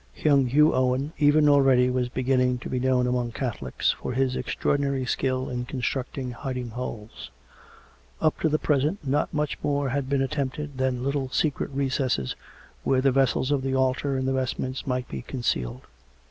Young Hugh Owen even already was beginning to be known among Catholics, for his extraordinary skill in con structing hiding holes. Up to the present not much more had been attempted than little secret recesses where the vessels of the altar and the vestments might be concealed.